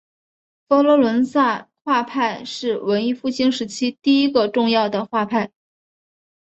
佛罗伦萨画派是文艺复兴时期第一个重要的画派。